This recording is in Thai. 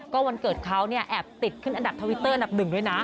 ก็วันเกิดเขาเนี่ยแอบติดขึ้นอันดับทวิตเตอร์อันดับหนึ่งด้วยนะ